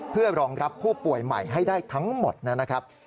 เพื่อรองรับผู้ป่วยใหม่ให้ได้ทั้งหมดนะครับ